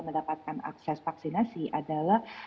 mendapatkan akses vaksinasi adalah